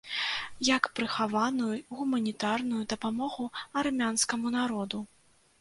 Як прыхаваную гуманітарную дапамогу армянскаму народу.